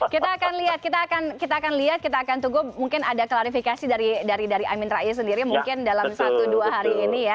kita akan lihat kita akan lihat kita akan tunggu mungkin ada klarifikasi dari amin rais sendiri mungkin dalam satu dua hari ini ya